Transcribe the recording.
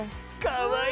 かわいい！